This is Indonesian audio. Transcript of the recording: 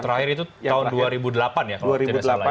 terakhir itu tahun dua ribu delapan ya kalau tidak salah ya